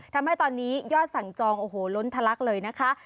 ทำให้ตอนนี้ยอดสั่งจองโอ้โหล้นทะลักเลยนะคะ